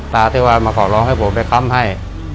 ตาที่ว่ามาขอร้องให้ผมไปค้ำให้